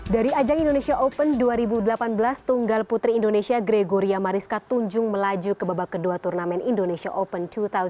dari ajang indonesia open dua ribu delapan belas tunggal putri indonesia gregoria mariska tunjung melaju ke babak kedua turnamen indonesia open dua ribu delapan belas